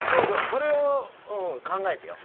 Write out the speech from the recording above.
それを考えてよ。